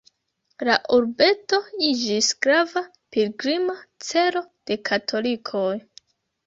La urbeto iĝis grava pilgrima celo de katolikoj.